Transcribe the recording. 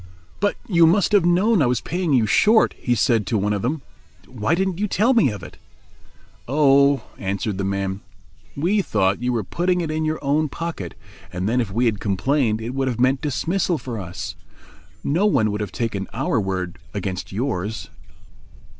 "But you must have known I was paying you short," he said to one of them. "Why didn't you tell me of it?" "Oh," answered the man, "we thought you were putting it in your own pocket and then if we had complained it would have meant dismissal for us. No one would have taken our word against yours."